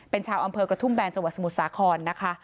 เป็นชาวอำเภอกระทุ่มแบนจังหวัดสมุทรสาครนะคะ